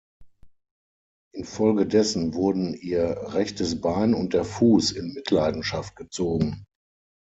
Infolgedessen wurden ihr rechtes Bein und der Fuß in Mitleidenschaft gezogen.